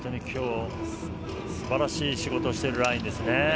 今日、すばらしい仕事をしているラインですね。